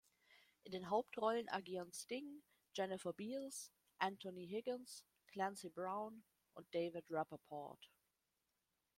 In den Hauptrollen agieren Sting, Jennifer Beals, Anthony Higgins, Clancy Brown und David Rappaport.